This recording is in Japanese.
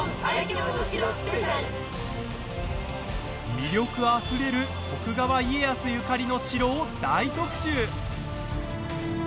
魅力あふれる徳川家康ゆかりの城を大特集。